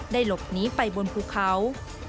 หลบหนีไปบนภูเขา